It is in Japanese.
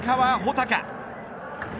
高。